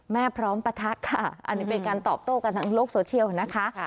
พร้อมปะทะค่ะอันนี้เป็นการตอบโต้กันทั้งโลกโซเชียลนะคะ